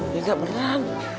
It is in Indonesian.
ya gak pernah